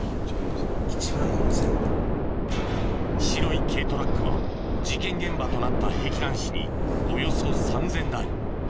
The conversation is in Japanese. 白い軽トラックは事件現場となった碧南市におよそ３０００台。